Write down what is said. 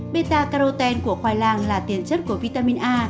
beta carotene của khoai lang là tiền chất của vitamin a